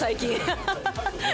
ハハハハ。